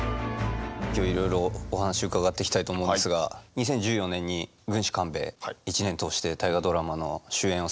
今日いろいろお話伺っていきたいと思うんですが２０１４年に「軍師官兵衛」１年通して「大河ドラマ」の主演をされてるじゃないですか。